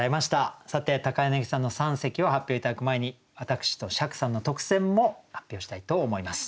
さて柳さんの三席を発表頂く前に私と釈さんの特選も発表したいと思います。